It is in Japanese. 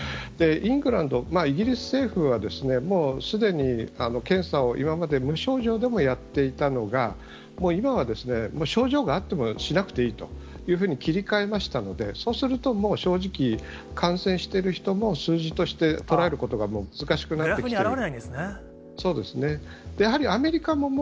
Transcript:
イングランド、イギリス政府はもうすでに、検査を今まで無症状でもやっていたのが、もう今は、症状があってもしなくていいというふうに切り替えましたので、そうするともう正直、感染してる人も数字として捉えることがもう難しくなってきている。